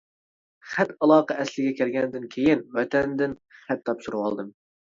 خەت-ئالاقە ئەسلىگە كەلگەندىن كېيىن ۋەتەندىن خەت تاپشۇرۇۋالدىم.